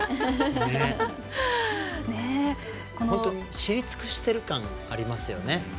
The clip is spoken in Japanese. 知り尽くしている感ありますよね。